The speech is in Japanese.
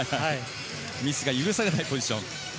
ミスが許されないポジション。